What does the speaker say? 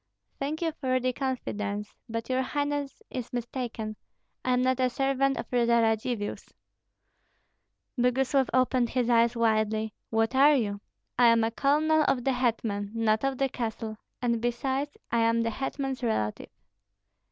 "Thank you for the confidence. But your highness is mistaken. I am not a servant of the Radzivills." Boguslav opened his eyes widely. "What are you?" "I am a colonel of the hetman, not of the castle; and besides I am the hetman's relative."